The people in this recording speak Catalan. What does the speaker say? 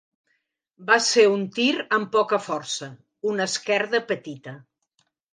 Va ser un tir amb poca força, una esquerda petita.